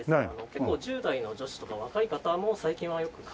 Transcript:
結構１０代の女子とか若い方も最近はよく買いに来られてます。